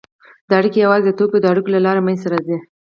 دا اړیکې یوازې د توکو د اړیکو له لارې منځته راځي